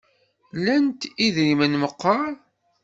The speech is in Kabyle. Lant idrimen meqqar?